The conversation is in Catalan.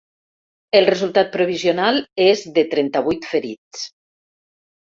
El resultat provisional és de trenta-vuit ferits.